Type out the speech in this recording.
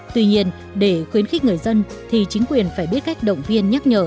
tuy nhiên để khuyến khích người dân thì chính quyền phải biết cách động viên nhắc nhở